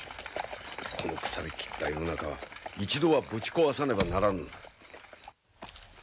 この腐れ切った世の中は一度はぶち壊さねばならぬのだ。